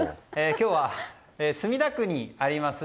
今日は、墨田区にあります